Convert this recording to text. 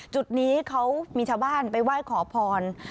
จุดนี้เขามีชาวบ้านไปไหว้ขอพร